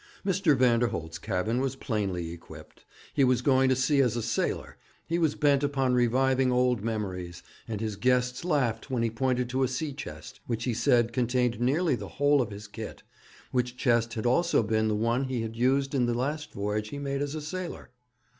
Mr. Vanderholt's cabin was plainly equipped. He was going to sea as a sailor; he was bent upon reviving old memories; and his guests laughed when he pointed to a sea chest, which he said contained nearly the whole of his kit, which chest had also been the one he had used in the last voyage he made as a sailor.